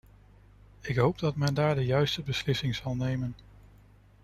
Ik hoop dat men daar de juiste beslissing zal nemen.